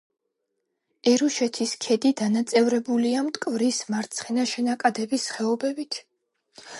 ერუშეთის ქედი დანაწევრებულია მტკვრის მარცხენა შენაკადების ხეობებით.